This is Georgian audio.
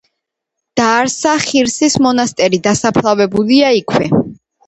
დააარსა ხირსის მონასტერი, დასაფლავებულია იქვე.